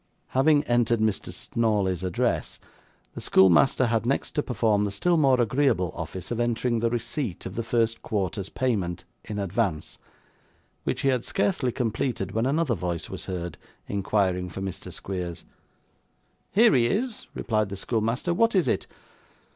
Having entered Mr. Snawley's address, the schoolmaster had next to perform the still more agreeable office of entering the receipt of the first quarter's payment in advance, which he had scarcely completed, when another voice was heard inquiring for Mr. Squeers. 'Here he is,' replied the schoolmaster; 'what is it?